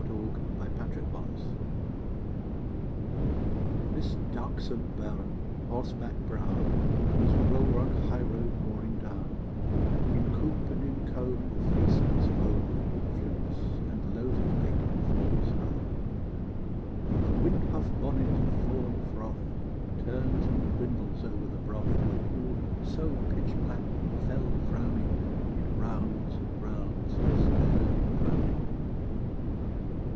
TOEMS '81 53 33 Inversnaid THIS darksome burn, horseback brown, His rollrock highroad roaring down, In coop and in comb the fleece of his foam Flutes and low to the lake falls home. A windpuff bonnet of fawn fr6th Turns and twindles over the broth Of a pool so pitchblack, fe"ll fr6wning, It rounds and rounds Despair to drowning.